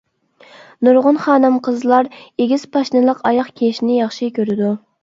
نۇرغۇن خانىم-قىزلار ئېگىز پاشنىلىق ئاياغ كىيىشنى ياخشى كۆرىدۇ.